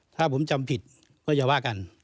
ถ้าผมจำผิดก็อย่าว่ากัน